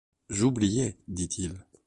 J’oubliais, dit-il.